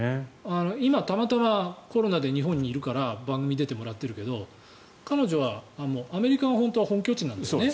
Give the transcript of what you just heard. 今、たまたまコロナで日本にいるから番組に出てもらっているけど彼女は本当はアメリカが本拠地なんだよね。